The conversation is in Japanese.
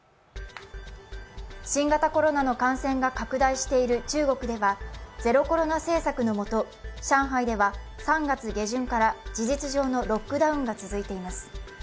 新型コロナの感染が拡大している中国ではゼロコロナ政策の下、上海では３月下旬から事実上のロックダウンが続いています。